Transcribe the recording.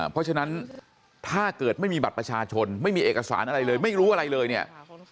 เพราะฉะนั้นถ้าเกิดไม่มีบัตรประชาชนไม่มีเอกสารอะไรเลยไม่รู้อะไรเลยเนี่ย